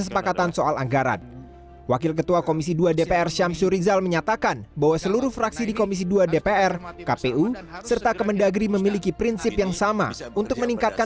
pemilu serentak dua ribu dua puluh